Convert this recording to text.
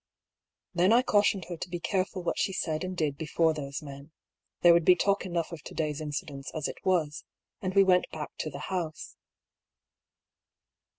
" Then I cautioned her to be careful what she said and did before those men — there would be talk enough of to day's incidents as it was, — and we went back to the house.